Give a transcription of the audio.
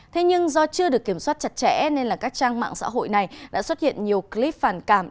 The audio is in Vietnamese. thế nhưng do chưa được kiểm soát chặt chẽ nên các trang mạng xã hội này đã xuất hiện nhiều clip phản cảm